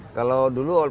udah sepeda enggak